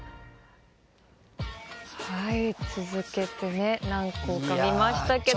はい続けてね何校か見ましたけども。